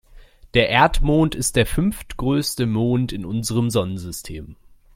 Der Erdmond ist der fünftgrößte Mond in unserem Sonnensystem.